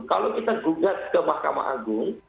kalau kita gugat ke mahkamah agung